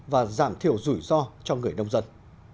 và giảm thiểu rủi ro cho người nông dân